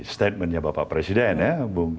statementnya bapak presiden